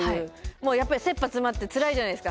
もうやっぱりせっぱ詰まってつらいじゃないですか。